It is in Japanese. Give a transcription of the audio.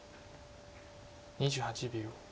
２８秒。